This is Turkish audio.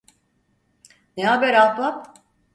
Ne haber ahbap?